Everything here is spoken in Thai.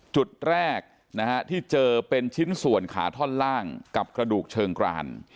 จุดแรกที่เจอเป็นชิ้นส่วนขาท่อนล่างกับกระดูกเชิงกราน